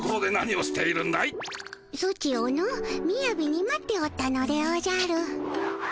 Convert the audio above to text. ソチをのみやびに待っておったのでおじゃる。